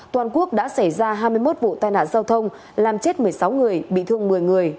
toàn quốc đã xảy ra hai mươi một vụ tai nạn giao thông làm chết một mươi sáu người bị thương một mươi người